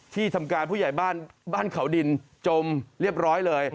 ที่ทำการผู้ใหญ่บ้านบ้านเขาดินจมเรียบร้อยเลย